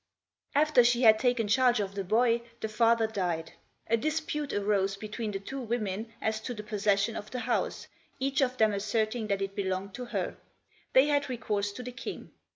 After she had taken charge of the boy the father died. A dis pute arose between the two women as to the possession of the house, each of them asserting that it belonged to her. They had recourse to the King.